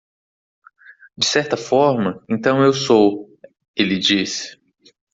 "De certa forma,?, então eu sou?" ele disse.